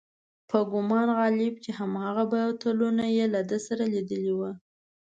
په ګومان غالب چې هماغه بوتلونه یې له ده سره لیدلي و.